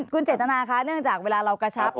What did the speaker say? คุณเจตนาคะเนื่องจากเวลาเรากระชับ